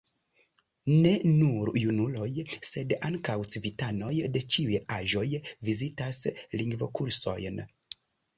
Ne nur junuloj, sed ankaŭ civitanoj de ĉiuj aĝoj vizitas lingvokursojn.